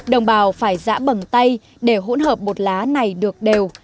đồng bào phải giã bằng tay để hỗn hợp bột lá này được đều